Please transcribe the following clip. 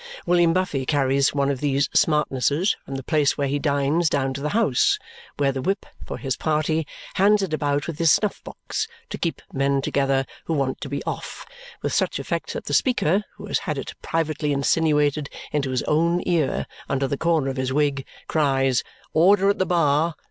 William Buffy carries one of these smartnesses from the place where he dines down to the House, where the Whip for his party hands it about with his snuff box to keep men together who want to be off, with such effect that the Speaker (who has had it privately insinuated into his own ear under the corner of his wig) cries, "Order at the bar!"